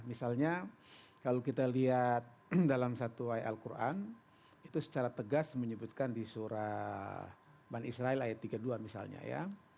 misalnya kalau kita lihat dalam satu ayat al quran itu secara tegas menyebutkan di surat ban israel ayat tiga puluh dua misalnya ya